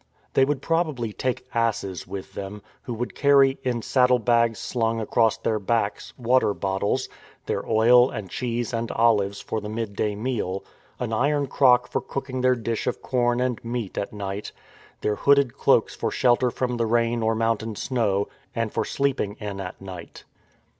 They would probably take asses with them, who would carry, in saddle bags slung across their backs, water bottles, their oil and cheese and olives for the midday meal, an iron crock for cooking their dish of corn and meat at night, their hooded cloaks for shelter from the rain or mountain snow, and for sleeping in at night.